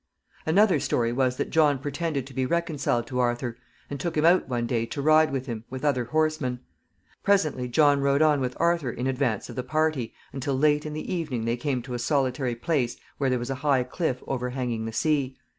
Another story was that John pretended to be reconciled to Arthur, and took him out one day to ride with him, with other horsemen. Presently John rode on with Arthur in advance of the party, until late in the evening they came to a solitary place where there was a high cliff overhanging the sea.